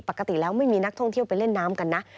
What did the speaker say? ปกติแล้วไม่มีนักท่องเที่ยวไปเล่นน้ำกันนะ